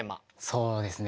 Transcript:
そうですね